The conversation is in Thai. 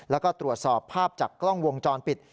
แล้วก็ตรวจสอบภาพจากกล้องวงจรปิด